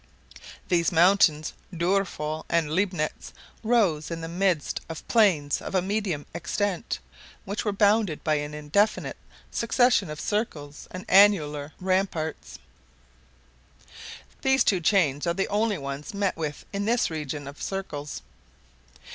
These mountains of Doerful and Leibnitz rose in the midst of plains of a medium extent, which were bounded by an indefinite succession of circles and annular ramparts. These two chains are the only ones met with in this region of circles.